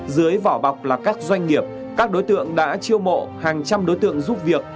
dưới vỏ bọc là các doanh nghiệp các đối tượng đã chiêu mộ hàng trăm đối tượng giúp việc